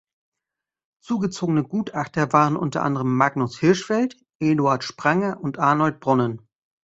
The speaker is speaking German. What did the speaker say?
Zugezogene Gutachter waren unter anderem Magnus Hirschfeld, Eduard Spranger und Arnolt Bronnen.